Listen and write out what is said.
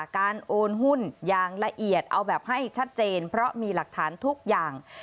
การโอนหุ้นอย่างละเอียดเอาแบบให้ชัดเจนเพราะมีหลักฐานทุกอย่าง